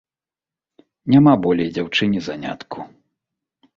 Няма болей дзяўчыне занятку.